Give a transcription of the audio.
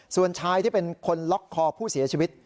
ส่วนชายที่เป็นคนล็อกคอผู้เสียชีวิต